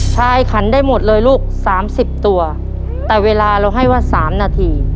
ขันได้หมดเลยลูกสามสิบตัวแต่เวลาเราให้ว่าสามนาที